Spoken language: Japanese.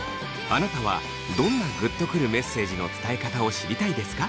あなたはどんなグッとくるメッセージの伝え方を知りたいですか？